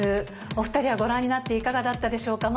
お二人はご覧になっていかがだったでしょうか？